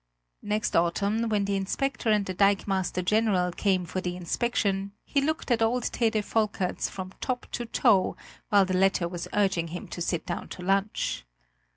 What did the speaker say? Next autumn, when the inspector and the dikemaster general came for the inspection, he looked at old Tede Volkerts from top to toe, while the latter was urging him to sit down to lunch.